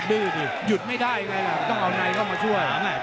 ดื้อดิหยุดไม่ได้ไงล่ะต้องเอาในเข้ามาช่วย